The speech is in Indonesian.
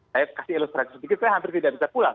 saya kasih ilustrasi sedikit saya hampir tidak bisa pulang